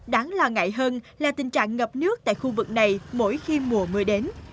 đáng lo ngại hơn là tình trạng ngập nước tại khu vực này mỗi khi mùa mưa đến